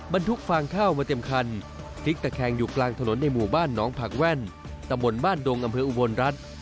บรรทุกฟางข้าวมาเต็มคันพลิกตะแคงอยู่กลางถนนในหมู่บ้านน้องผักแว่นตำบลบ้านดงอำเภออุบลรัฐ